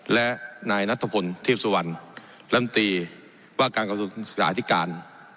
และนายนัทธพลทรีปสุวรรณลำตรีว่าการการสุขสาหกสิทธิการ